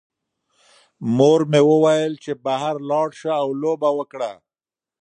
مور مې وویل چې بهر لاړ شه او لوبه وکړه.